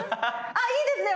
いいですね